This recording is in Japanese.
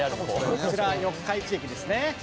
「こちら四日市駅ですね」